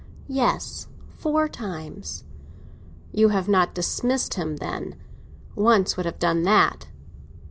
"Yes, four times." "You have not dismissed him, then. Once would have done that."